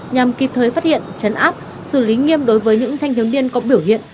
nhằm kịp thời phát hiện chấn áp xử lý nghiêm đối với những thanh niên điên có biểu hiện